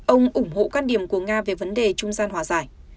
ông ủng hộ quan điểm của nga về vấn đề trung gian hòa giải